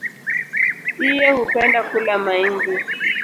Iye hupenda kula maingi.